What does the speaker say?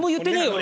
俺。